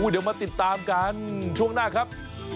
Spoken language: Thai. เดี๋ยวมาติดตามกันช่วงหน้าครับ